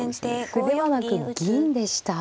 歩ではなく銀でした。